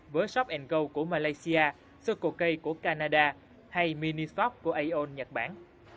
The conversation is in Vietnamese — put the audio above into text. với shop go của malaysia circle k của canada hay minishop của aon nhật bản